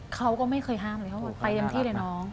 เขาก็ไม่เคยห้ามเลยเขาบอกไปเต็มที่เลยน้อง